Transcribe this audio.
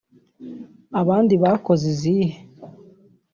«Abandi bakoze izihe